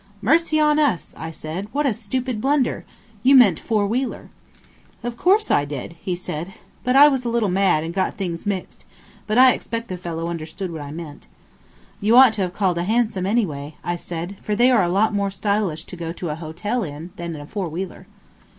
"Mercy on us," I said, "what a stupid blunder! You meant four wheeler." [Illustration: The Landlady with an "underdone visage"] "Of course I did," he said; "I was a little mad and got things mixed, but I expect the fellow understood what I meant." "You ought to have called a hansom any way," I said, "for they are a lot more stylish to go to a hotel in than in a four wheeler."